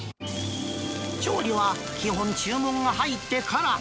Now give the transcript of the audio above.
調理は基本、注文が入ってから。